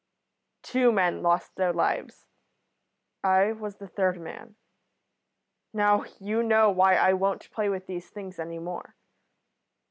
"Two men lost their lives. I was the third man. Now, you know why I won't play with these things any more."